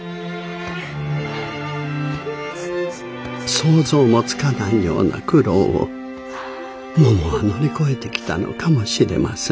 想像もつかないような苦労をももは乗り越えてきたのかもしれません。